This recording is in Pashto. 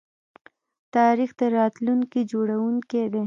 تاریخ د راتلونکي جوړونکی دی.